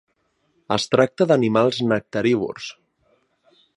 Es tracta d'animals nectarívors.